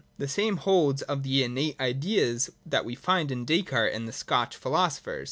The same holds good of the innate ideas that we find in Descartes and the Scotch philosophers.